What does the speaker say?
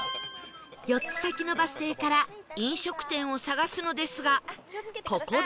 ４つ先のバス停から飲食店を探すのですがここで